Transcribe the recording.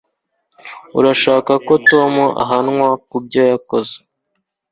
urashaka ko tom ahanwa kubyo yakoze